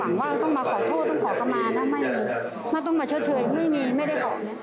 น่าจะต้องมาเฉยไม่มีไม่ได้ขอ